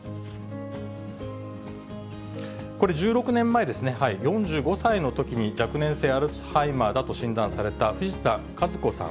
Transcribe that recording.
これ、１６年前ですね、４５歳のときに若年性アルツハイマーだと診断された、藤田和子さん